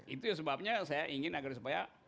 itu sebabnya saya ingin agar supaya